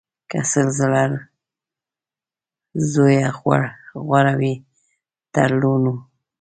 که سل ځله زویه غوره وي تر لوڼو